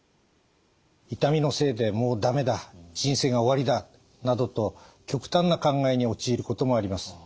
「痛みのせいでもう駄目だ人生が終わりだ」などと極端な考えに陥ることもあります。